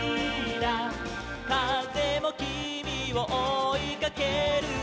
「かぜもきみをおいかけるよ」